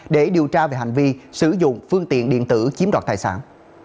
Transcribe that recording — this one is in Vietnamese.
để điều tra về hành vi sử dụng phương tiện điện tử chiếm đoạt tài sản